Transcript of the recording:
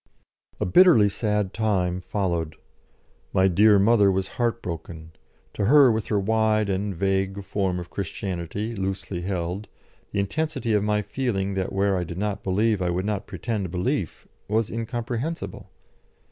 A bitterly sad time followed. My dear mother was heart broken. To her, with her wide and vague form of Christianity, loosely held, the intensity of my feeling that where I did not believe I would not pretend belief, was incomprehensible.